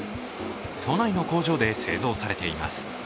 都内の工場で製造されています。